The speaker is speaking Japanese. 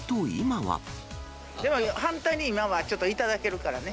反対に、今はちょっと頂けるからね。